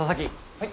はい。